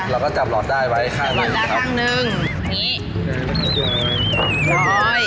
เราก็จับหลอดได้ไว้ข้างหนึ่งนี่เดี๋ยวเรามาจ่อ